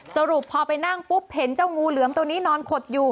สรุปพอไปนั่งปุ๊บเห็นเจ้างูเหลือมตัวนี้นอนขดอยู่